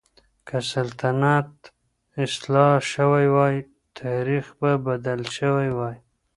که سلطنت اصلاح شوی وای، تاريخ به بدل شوی وای.